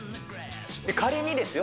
仮にですよ、